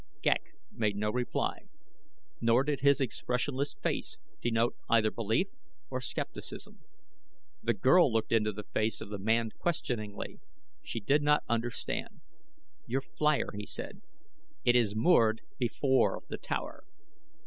Ghek made no reply, nor did his expressionless face denote either belief or skepticism. The girl looked into the face of the man questioningly. She did not understand. "Your flier," he said. "It is moored before the tower."